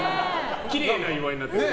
きれいな岩井になってる。